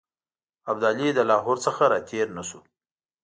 ابدالي د لاهور څخه را تېر نه شو.